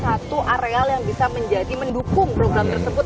satu areal yang bisa menjadi mendukung program tersebut